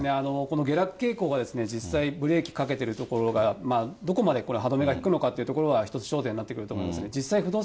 下落傾向は実際ブレーキかけているところが、どこまでこれ歯止めが利くのかっていうのが一つ焦点なってくると思いますね。